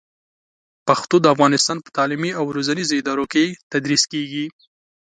پښتو د افغانستان په تعلیمي او روزنیزو ادارو کې تدریس کېږي.